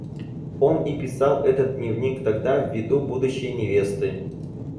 Он и писал этот дневник тогда в виду будущей невесты.